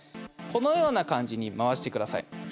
このような感じに回して下さい。